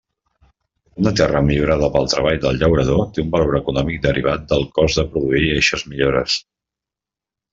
Una terra millorada pel treball del llaurador té un valor econòmic derivat del cost de produir eixes millores.